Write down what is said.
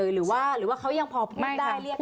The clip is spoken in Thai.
หรือว่าเขายังพอพูดได้เรียกได้